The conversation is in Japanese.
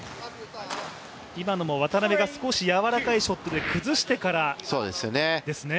今のも渡辺が少し柔らかいショットで崩してからですね。